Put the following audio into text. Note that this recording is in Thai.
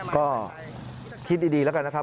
ก็คิดดีแล้วกันนะครับ